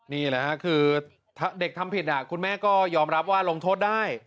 นี่แหละค่ะคือถ้าเด็กทำผิดคุณแม่ก็ยอมรับว่าลงโทษได้